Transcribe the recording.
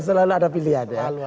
selalu ada pilihan ya